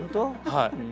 はい。